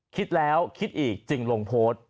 คิดแล้วคิดอีกจึงลงโพสต์